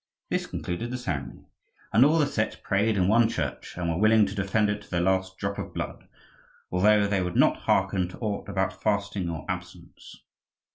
This concluded the ceremony. And all the Setch prayed in one church, and were willing to defend it to their last drop of blood, although they would not hearken to aught about fasting or abstinence.